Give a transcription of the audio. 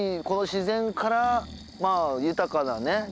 この自然からまぁ豊かなね